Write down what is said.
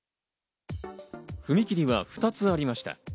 踏切は２つありました。